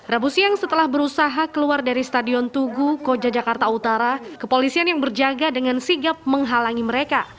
rabu siang setelah berusaha keluar dari stadion tugu koja jakarta utara kepolisian yang berjaga dengan sigap menghalangi mereka